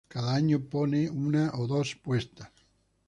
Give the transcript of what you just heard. Cada año ponen una o dos puestas.